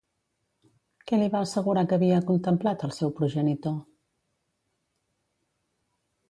Què li va assegurar que havia contemplat, al seu progenitor?